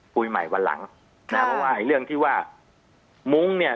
คุยใหม่วันหลังนะเพราะว่าเรื่องที่ว่ามุ้งเนี่ย